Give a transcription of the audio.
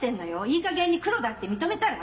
いいかげんに黒だって認めたら？